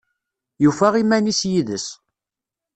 Yufa iman-is yid-s